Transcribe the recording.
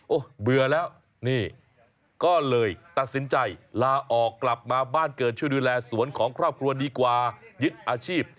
โอ้โหเบื่อแล้วนี่ก็เลยตัดสินใจลาออกกลับมาบ้านเกิดช่วยดูแลสวนของครอบครัวดีกว่ายึดอาชีพ